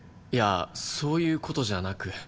いやそういう事じゃなく。